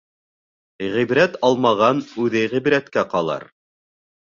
Ғибрәт алмаған үҙе ғибрәткә ҡалыр.